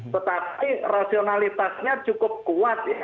tetapi rasionalitasnya cukup kuat ya